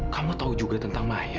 kamu tahu juga tentang maya